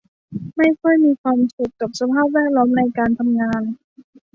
ไม่ค่อยมีความสุขกับสภาพแวดล้อมในการทำงาน